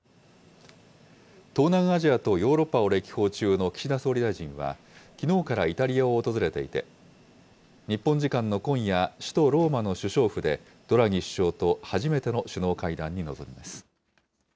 東南アジアとヨーロッパを歴訪中の岸田総理大臣は、きのうからイタリアを訪れていて、日本時間の今夜、首都ローマの首相府で、ドラギ首相と初めての首脳会談に臨みます。